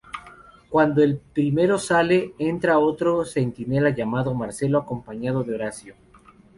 Cuando el primero sale, entra otro centinela llamado Marcelo acompañado de Horacio.